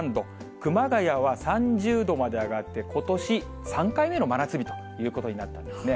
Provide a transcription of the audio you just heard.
熊谷は３０度まで上がって、ことし３回目の真夏日ということになったんですね。